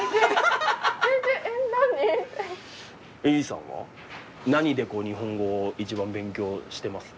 李さんは何で日本語を一番勉強してます？